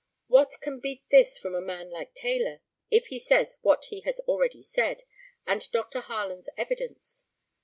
What can beat this from a man like Taylor, if he says what he has already said, and Dr. Harland's evidence?